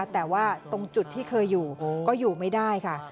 แต่ว่าตรงจุดที่เคยอยู่ก็อยู่ไม่ได้ค่ะ